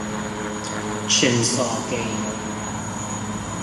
穿梭機